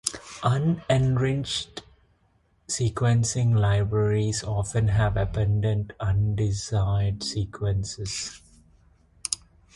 Unenriched sequencing libraries often have abundant undesired sequences.